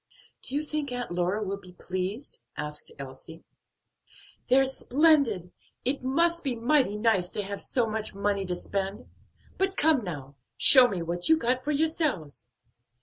"Do you think Aunt Lora will be pleased?" asked Elsie. "They're splendid! It must be mighty nice to have so much money to spend. But come now, show me what you got for yourselves."